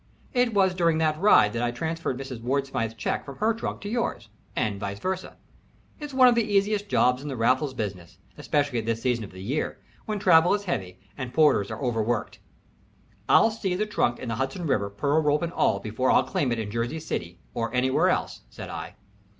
It was during that ride that I transferred Mrs. Ward Smythe's check from her trunk to yours, and vice versa. It's one of the easiest jobs in the Raffles business, especially at this season of the year, when travel is heavy and porters are overworked." "I'll see the trunk in the Hudson River, pearl rope and all, before I'll claim it at Jersey City or anywhere else," said I.